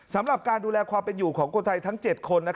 สำหรับการดูแลความเป็นอยู่ของคนไทยทั้ง๗คน